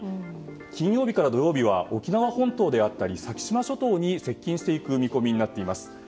金曜日から土曜日は沖縄本島や先島諸島に接近していく見込みになっています。